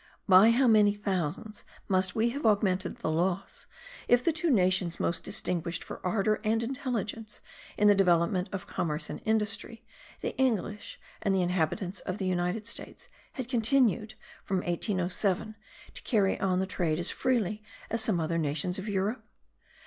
By how many thousands must we have augmented the loss, if the two nations most distinguished for ardour and intelligence in the development of commerce and industry, the English and the inhabitants of the United States, had continued, from 1807, to carry on the trade as freely as some other nations of Europe?